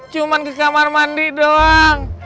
cuma ke kamar mandi doang